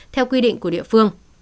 theo quy định của địa phương